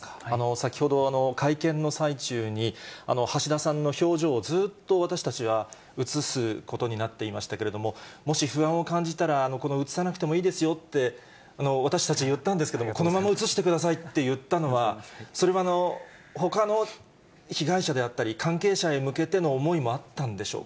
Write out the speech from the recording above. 先ほど、会見の最中に橋田さんの表情をずっと私たちは映すことになっていましたけれども、もし不安を感じたら、この映さなくてもいいですよって、私たち言ったんですけども、このまま映してくださいって言ったのは、それはほかの被害者であったり、関係者への向けての思いもあったんでしょうか。